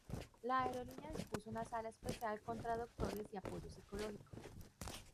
La aerolínea dispuso una sala especial con traductores y apoyo psicológico.